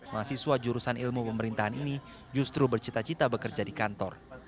mahasiswa jurusan ilmu pemerintahan ini justru bercita cita bekerja di kantor